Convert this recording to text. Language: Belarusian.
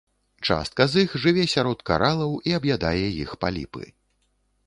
Частка з іх жыве сярод каралаў і аб'ядае іх паліпы.